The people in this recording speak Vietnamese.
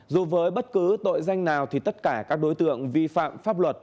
dù với bất cứ tội danh nào thì tất cả các đối tượng vi phạm pháp luật